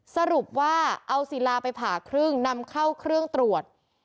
สรุปว่าเอาศิลาไปผ่าครึ่งนำเข้าเครื่องตรวจ